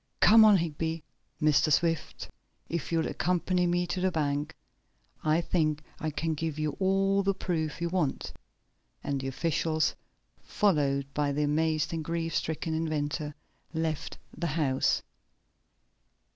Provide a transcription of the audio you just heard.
Come on, Higby! Mr. Swift, if you'll accompany me to the bank, I think I can give you all the proof you want," and the officials, followed by the amazed and grief stricken inventor, left the house.